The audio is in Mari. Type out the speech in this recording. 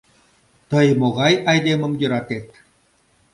— Тый могай айдемым йӧратет?